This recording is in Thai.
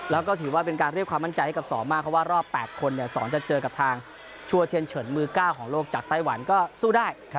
แล้วก็ถือว่าเป็นการเรียกความมั่นใจให้กับ๒มากเพราะว่ารอบ๘คน๒จะเจอกับทางชัวร์เทียนเฉินมือ๙ของโลกจากไต้หวันก็สู้ได้